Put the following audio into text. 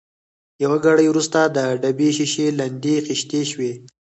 یو ګړی وروسته د ډبې شېشې لندې خېشتې شوې.